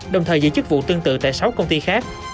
đồng thời giữ chức vụ tương tự tại sáu công ty khác